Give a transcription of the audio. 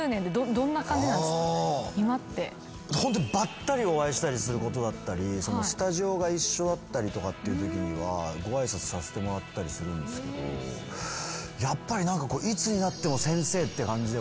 ばったりお会いしたりすることだったりスタジオが一緒だったりとかっていうときにはご挨拶させてもらったりするんですけどやっぱり。